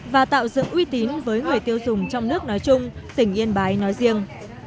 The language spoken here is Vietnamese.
và tạo dựng uy tín với người tiêu dùng trong nước nói chung tỉnh yên bái nói riêng